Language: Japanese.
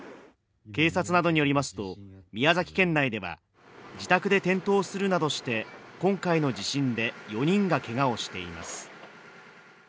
警察などによりますと、宮崎県内では自宅で転倒するなどして今回の地震で４人がけがをしています。